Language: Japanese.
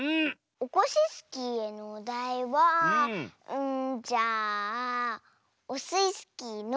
オコシスキーへのおだいはうんじゃあオスイスキーのじゃあ「き」。